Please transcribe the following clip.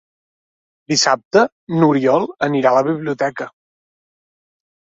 Dissabte n'Oriol anirà a la biblioteca.